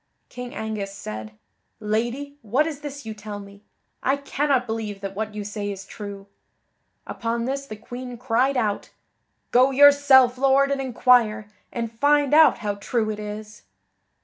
King Angus said: "Lady, what is this you tell me? I cannot believe that what you say is true." Upon this the Queen cried out: "Go yourself, Lord, and inquire, and find out how true it is."